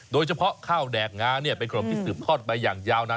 โดยเฉพาะข้าวแดกงาเนี่ยเป็นขนมที่สืบคลอดไปอย่างยาวนาน